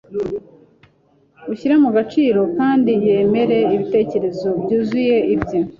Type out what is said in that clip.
eshyire mu geciro kendi yemere ibitekerezo byuzuze ibye.